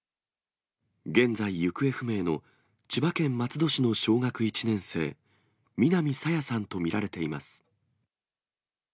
現在、行方不明の千葉県松戸市の小学１年生、南朝芽さんと見られています。